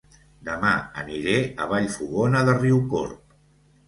Dema aniré a Vallfogona de Riucorb